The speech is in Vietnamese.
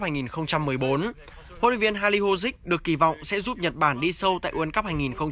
huấn luyện viên hali hozik được kỳ vọng sẽ giúp nhật bản đi sâu tại world cup hai nghìn hai mươi